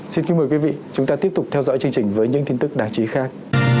xin kính mời quý vị chúng ta tiếp tục theo dõi chương trình với những tin tức đáng chú ý khác